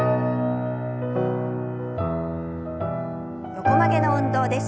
横曲げの運動です。